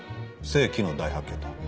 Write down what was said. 世紀の大発見だ。